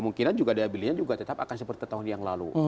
kemungkinan juga daya belinya tetap seperti tahun yang lalu